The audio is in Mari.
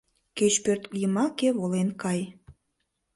Кеч пӧртйымаке волен кай!